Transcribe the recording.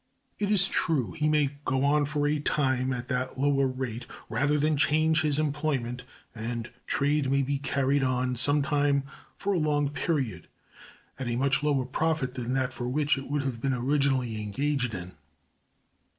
It is true he may go on for a time at that lower rate, rather than change his employment; and a trade may be carried on, sometimes for a long period, at a much lower profit than that for which it would have been originally engaged in.